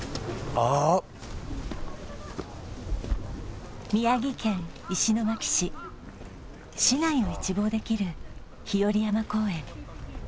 あーっ宮城県石巻市市内を一望できる日和山公園